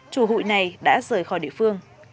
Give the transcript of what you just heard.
chủ hội này đã rời khỏi địa phương